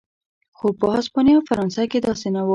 خو په هسپانیا او فرانسه کې داسې نه و.